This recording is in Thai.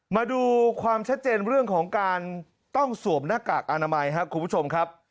มาดูความชัดเจนเรื่องของการต้องสวมหน้ากากอนามัยครับคุณผู้ชมครับ